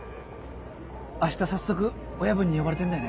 明日早速親分に呼ばれてんだよね。